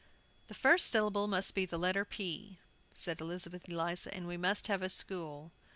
"The first syllable must be the letter P," said Elizabeth Eliza, "and we must have a school."